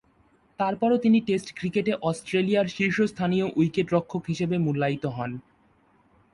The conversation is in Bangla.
তারপরও তিনি টেস্ট ক্রিকেটে অস্ট্রেলিয়ার শীর্ষস্থানীয় উইকেট-রক্ষক হিসেবে মূল্যায়িত হন।